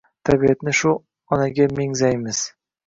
Tabiatni shu onaga mengzaymiz.